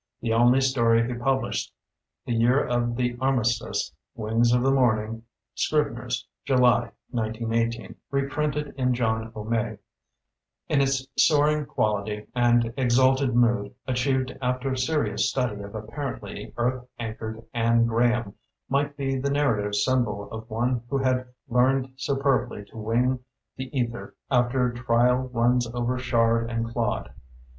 The only story he published the year of the armistice, "Wings of the Morn ing" ("Scribner's", July, 1918; re printed in "John O'May"), in its soar ing quality and exalted mood achieved after serious study of apparently earth anchored Ann Graham, might be the narrative symbol of one who had learned superbly to wing the ether after trial runs over shard and clod.